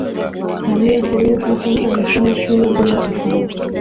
Samia Suluhu Hassan alisoma shule mbili tofauti